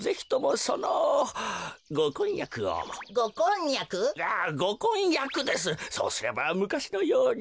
そうすればむかしのように。